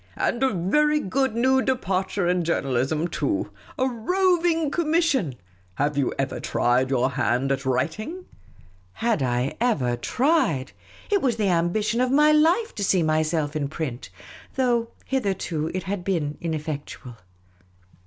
" And a very good new departure in journalism too ! A roving commission ! Have you ever tried your hand at writing ?'' Had I ever tried ! It was the ambition of my life to see myself in print ; though, hitherto, it had been ineffectual.